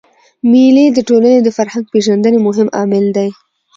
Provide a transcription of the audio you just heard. مېلې د ټولني د فرهنګ پېژندني مهم عامل دئ.